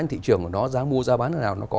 thị trường của nó giá mua giá bán thế nào nó có